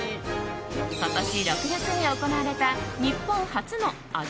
今年６月に行われた、日本初の味